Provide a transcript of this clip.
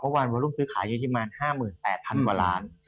แล้วก็บัวหลวงซื้อขายเยอะที่มา๕๘๐๐๐ว่าล้าน